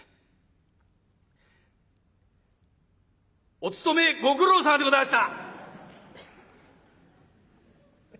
「お勤めご苦労さまでございました」。